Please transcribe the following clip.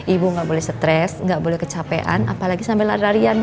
ibu gak boleh stres gak boleh kecapean apalagi sambil lari larian ya